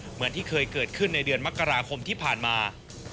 เหมือนที่เคยเกิดขึ้นในเดือนมกราคมที่ผ่านมา